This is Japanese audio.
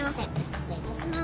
失礼いたします。